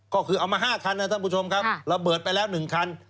ก็คือเอามา๕คันนะท่านผู้ชมครับระเบิดไปแล้ว๑คัน